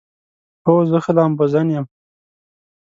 هو، زه ښه لامبوزن یم